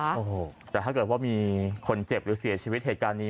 โอ้โหแต่ถ้าเกิดว่ามีคนเจ็บหรือเสียชีวิตเหตุการณ์นี้